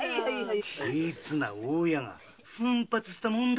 ケチな大家が奮発したもんだで。